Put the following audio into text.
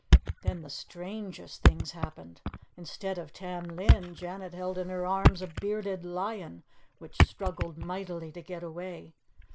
Then the strangest things happened. Instead of Tam Lin, Janet held in her arms a bearded lion, which struggled mightily to get away.